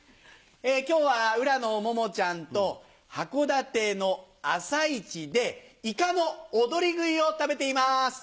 今日は浦野モモちゃんと函館の朝市でイカの踊り食いを食べています。